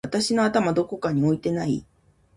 私の頭どこかに置いてない？！